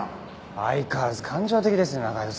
相変わらず感情的ですね仲井戸さんは。